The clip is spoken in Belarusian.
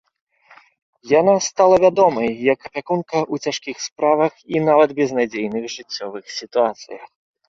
Яна стала вядомай як апякунка ў цяжкіх справах і нават безнадзейных жыццёвых сітуацыях.